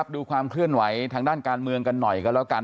ดูความเคลื่อนไหวทางด้านการเมืองกันหน่อยกันแล้วกัน